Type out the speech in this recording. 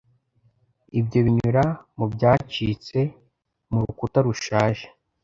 ibyo binyura mu byacitse mu rukuta rushaje